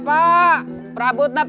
rabut nak rabut nak